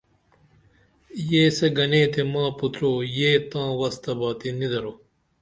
یسے گنے تے ما پُترو یے تاں وس تہ باتی نی درو